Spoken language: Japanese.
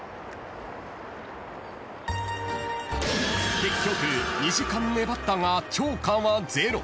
［結局２時間粘ったが釣果はゼロ］